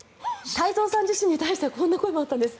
太蔵さん自身に対してこんな声もあったんです。